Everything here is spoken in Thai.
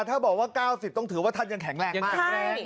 ถ้าบอกว่า๙๐ต้องถือว่าท่านยังแข็งแรงมากแข็งแรง